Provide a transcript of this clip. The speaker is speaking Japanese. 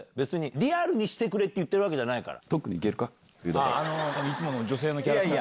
リアルにしてくれって言ってるわけじゃないから。